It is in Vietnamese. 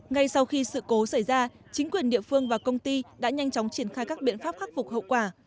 ngay sau khi sự cố xảy ra chính quyền địa phương và công ty đã nhanh chóng triển khai các biện pháp khắc phục hậu quả